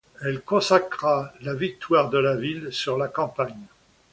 Elle consacra la victoire de la ville sur la campagne.